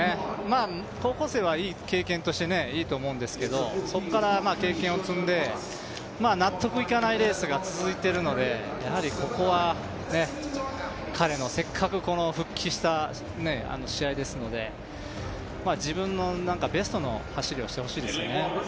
高校生はいい経験として、いいと思うんですけどそこから経験を積んで納得いかないレースが続いているのでやはりここは、彼のせっかく復帰した試合ですので自分のベストの走りをしてほしいですよね。